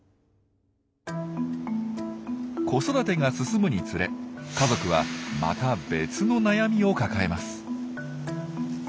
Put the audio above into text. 子育てが進むにつれ家族はまた別の悩みを抱えます。